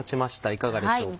いかがでしょうか？